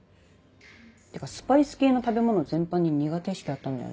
てかスパイス系の食べ物全般に苦手意識あったんだよね。